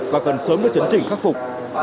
và cần sớm được chấn chỉnh khắc phục